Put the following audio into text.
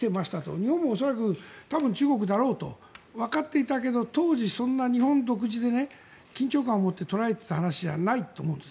日本も恐らく、多分中国だろうとわかっていたけど当時、そんな日本独自で緊張感を持って捉えていた話ではないと思うんです。